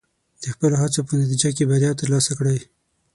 د خپلو هڅو په نتیجه کې بریا ترلاسه کړئ.